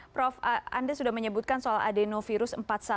prof anda sudah menyebutkan soal adenovirus empat puluh satu